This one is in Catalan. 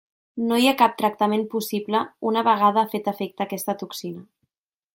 No hi ha cap tractament possible una vegada ha fet efecte aquesta toxina.